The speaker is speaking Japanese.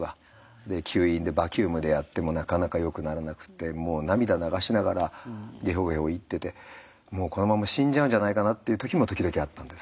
吸引でバキュームでやってもなかなかよくならなくて涙流しながらゲホゲホ言っててもうこのまま死んじゃうんじゃないかなっていう時も時々あったんです。